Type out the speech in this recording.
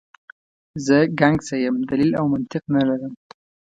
زه ګنګسه یم، دلیل او منطق نه لرم.